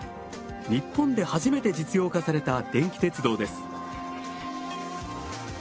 日本で初めて実用化された電気鉄道です。